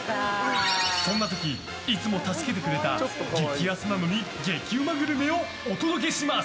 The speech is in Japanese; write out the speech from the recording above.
そんな時、いつも助けてくれた激安なのに激うまグルメをお届けします！